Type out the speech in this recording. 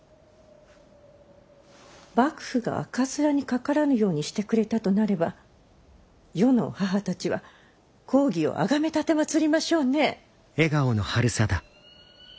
幕府が赤面にかからぬようにしてくれたとなれば世の母たちは公儀をあがめ奉りましょうね。